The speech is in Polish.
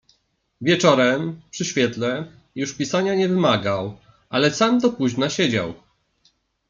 "Wieczorem, przy świetle, już pisania nie wymagał, ale sam do późna siedział."